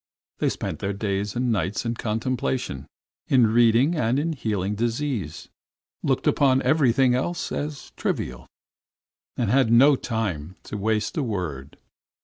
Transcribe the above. They spent their days and nights in contemplation, in reading and in healing disease, looked upon everything else as trivial, and had no time to waste a word.